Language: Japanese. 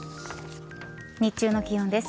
日中の気温です。